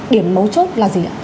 điểm mấu chốt là gì ạ